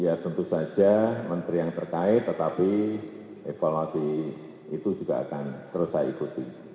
ya tentu saja menteri yang terkait tetapi evaluasi itu juga akan terus saya ikuti